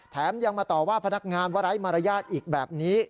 ยังมาต่อว่าพนักงานว่าไร้มารยาทอีกแบบนี้